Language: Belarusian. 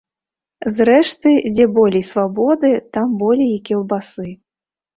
Зрэшты, дзе болей свабоды, там болей і кілбасы.